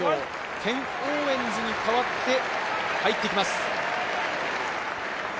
ケン・オーウェンズに代わって入ってきます。